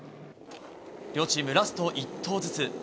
両チーム、ラスト１投ずつ。